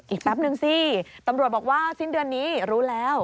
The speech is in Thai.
แป๊บนึงสิตำรวจบอกว่าสิ้นเดือนนี้รู้แล้ว